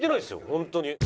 本当に。